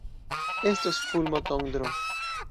Estos fulmotondro.